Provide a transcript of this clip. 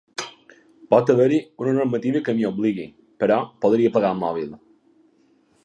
Pot haver-hi una normativa que m’hi obligui, però podria apagar el mòbil.